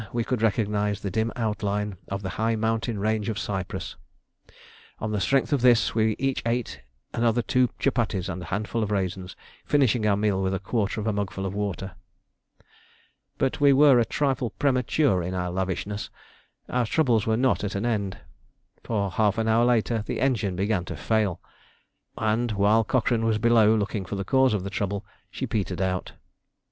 we could recognise the dim outline of the high mountain range of Cyprus: on the strength of this we each ate another two chupatties and a handful of raisins, finishing our meal with a quarter of a mugful of water. But we were a trifle premature in our lavishness. Our troubles were not at an end, for half an hour later the engine began to fail, and, while Cochrane was below looking for the cause of the trouble, she petered out.